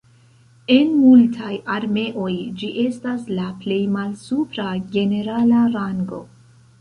En multaj armeoj ĝi estas la plej malsupra generala rango.